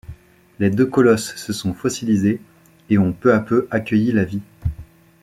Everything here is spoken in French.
Les deux colosses se sont fossilisés et ont peu à peu accueilli la vie.